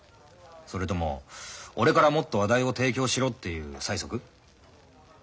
それとも俺からもっと話題を提供しろっていう催促？